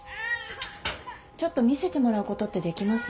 ちょっと見せてもらうことってできます？